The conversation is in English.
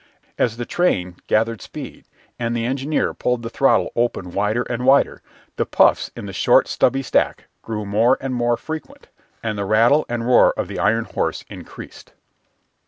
As the train gathered speed the engineer pulled the throttle open wider and wider, the puffs in the short, stubby stack grew more and more frequent, and the rattle and roar of the iron horse increased.